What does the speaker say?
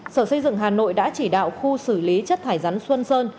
sở xây dựng hà nội đã chỉ đạo khu xử lý chất thải rắn xuân sơn